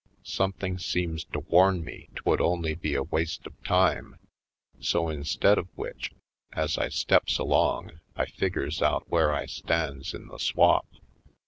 Something seems to w^arn me 'tvv^ould only be a waste of time, so instead of which, as I steps along, I figures out where I stands in the swap.